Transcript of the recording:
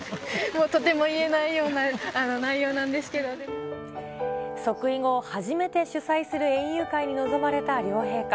とても言えな即位後、初めて主催する園遊会に臨まれた両陛下。